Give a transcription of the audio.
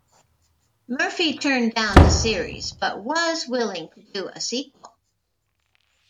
Murphy turned down the series but was willing to do a sequel.